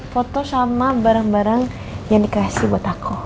foto sama barang barang yang dikasih buat aku